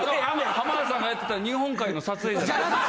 浜田さんがやってた『日本海』の撮影じゃないですよ。